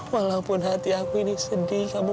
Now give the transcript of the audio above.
walaupun hati aku ini sedih kamu